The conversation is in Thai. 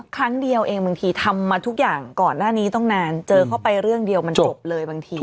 ครั้งเดียวเองบางทีทำมาทุกอย่างก่อนหน้านี้ต้องนานเจอเข้าไปเรื่องเดียวมันจบเลยบางที